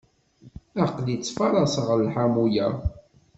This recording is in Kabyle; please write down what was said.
Aql-i ttfaraṣeɣ lḥamu-ya.